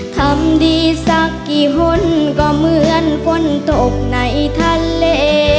ทำดีสักกี่คนก็เหมือนฝนตกในทะเล